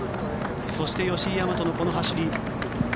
そして、吉居大和の走り。